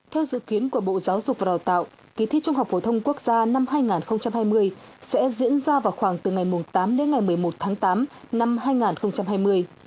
theo dự kiến của bộ giáo dục và đào tạo kỳ thi trung học phổ thông quốc gia năm hai nghìn hai mươi sẽ diễn ra vào khoảng từ ngày tám đến ngày một mươi một tháng tám năm hai nghìn hai mươi